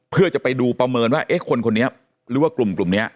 เพื่อจะไปดูประเมินว่าเอ๊ะคนคนนี้หรือว่ากลุ่มนี้